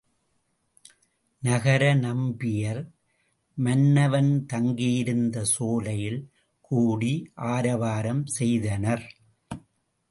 நகர நம்பியர் மன்னவன் தங்கியிருந்த சோலையில் கூடி ஆரவாரம் செய்தனர்.